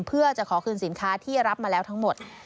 เพื่อจะขอคืนสินค้าที่รับมาแล้วทั้งหมด